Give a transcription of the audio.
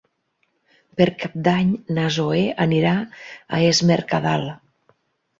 Per Cap d'Any na Zoè anirà a Es Mercadal.